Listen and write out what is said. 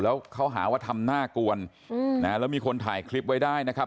แล้วเขาหาว่าทำหน้ากวนแล้วมีคนถ่ายคลิปไว้ได้นะครับ